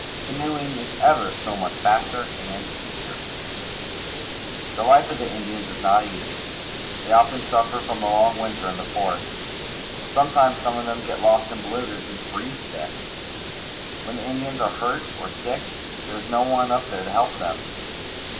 Canoeing is ever so much faster and easier. The life of the Indians is not easy. They often suffer from the long winter in the forest. Sometimes some of them get lost in blizzards and freeze to death. Wlien the Indians are hurt or sick, there is no one to help them.